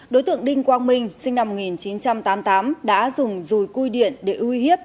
đối tượng đinh quang minh sinh năm một nghìn chín trăm tám mươi tám đã dùng dùi cui điện để uy hiếp